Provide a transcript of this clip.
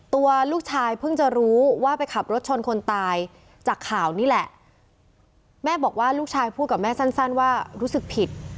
ตัวลูกชายเพิ่งจะรู้ว่าไปขับรถชนคนตายจากข่าวนี่แหละแม่บอกว่าลูกชายพูดกับแม่สั้นสั้นว่ารู้สึกผิด